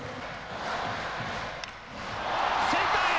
センターへ！